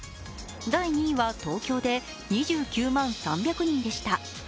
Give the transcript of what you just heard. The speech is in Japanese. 第２位は東京で２９万３００人でした。